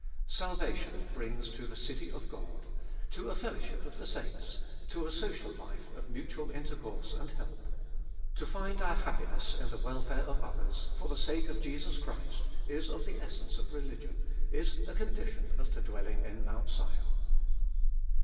1. Salvation brings to the city of God, to a fellowship of the saints, to a social life of mutual Intercourse and help. To find our happiness in the welfare of others, for the sake of Jesus Christ, is of the essence of religion, is a condition of the dwelling in Mount Sion.